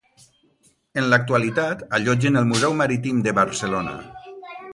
En l'actualitat allotgen el Museu Marítim de Barcelona.